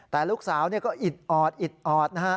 แต่ลูกสาวก็อิดออด